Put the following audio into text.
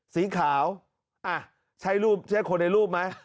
สีขาวใช้รูปใช้คนในรูปไหม